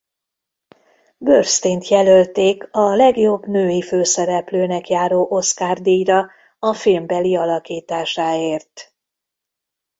Burstyn-t jelölték a legjobb női főszereplőnek járó Oscar-díjra a filmbeli alakításáért.